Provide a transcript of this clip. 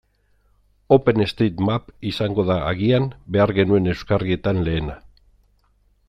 OpenStreetMap izango da agian behar genuen euskarrietan lehena.